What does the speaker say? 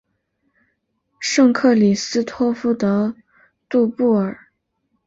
圣克里斯托夫德杜布尔。